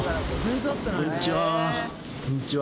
こんにちは。